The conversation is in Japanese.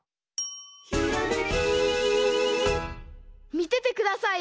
「ひらめき」みててくださいよ！